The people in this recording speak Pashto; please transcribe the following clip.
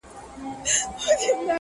• دا هنر دي له کوم ځایه دی راوړی ,